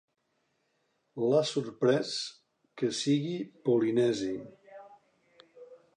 L'ha sorprès que sigui polinesi.